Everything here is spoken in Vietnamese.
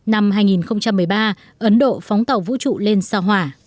năm hai nghìn một mươi ba ấn độ phóng tàu vũ trụ lên sao hỏa